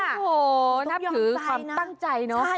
โอ้โหนับถือความตั้งใจเนอะ